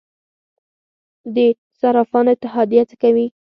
د صرافانو اتحادیه څه کوي؟